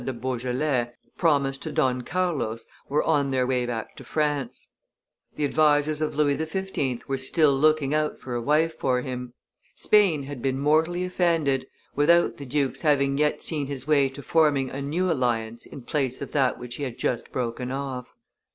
de Beaujolais, promised to Don Carlos, were on their way back to France; the advisers of Louis XV. were still looking out for a wife for him. Spain had been mortally offended, without the duke's having yet seen his way to forming a new alliance in place of that which he had just broken off.